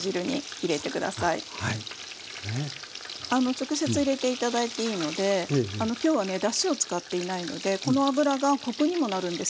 直接入れて頂いていいのできょうはねだしを使っていないのでこの油がコクにもなるんですよ。